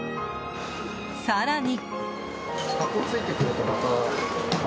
更に。